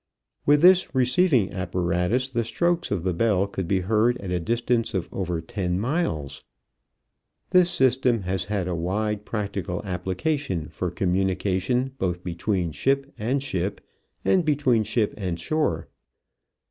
With this receiving apparatus the strokes of the bell could be heard at a distance of over ten miles. This system has had a wide practical application for communication both between ship and ship and between ship and shore.